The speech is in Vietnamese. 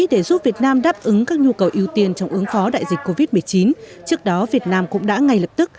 để giúp việt nam đáp ứng các nhu cầu ưu tiên trong ứng phó đại dịch covid một mươi chín trước đó việt nam cũng đã ngay lập tức